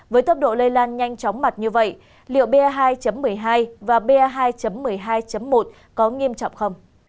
với tốc độ lây lan nhanh chóng mặt như vậy liệu ba hai một mươi hai và ba một mươi hai một có nghiêm trọng không